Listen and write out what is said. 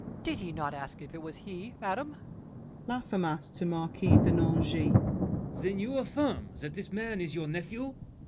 ] Did he not ask if it was he, madame? LAFFEMAS (to Marquis de Nangis). Then you affirm that this man is your nephew?